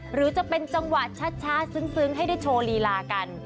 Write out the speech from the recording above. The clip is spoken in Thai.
หรือจะเป็นจังหวะช้าซึ้งให้ได้โชว์ลีลากัน